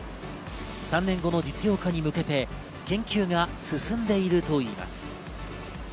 ３年後の実用化に向けて研究が進んでいるといいます。